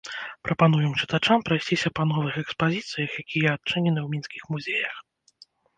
Прапануем чытачам прайсціся па новых экспазіцыях, якія адчынены ў мінскіх музеях.